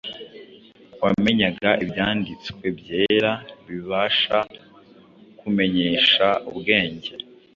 wamenyaga ibyanditswe byera bibasha kukumenyesha ubwenge,